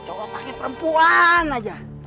cokotaknya perempuan aja